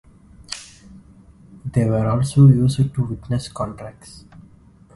They were also used to witness contracts.